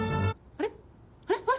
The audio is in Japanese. あれ？